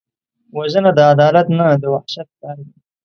وژنه د عدالت نه، د وحشت کار دی